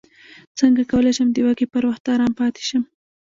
څنګه کولی شم د وږي پر وخت ارام پاتې شم